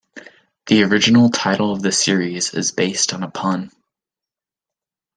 The original title of the series is based on a pun.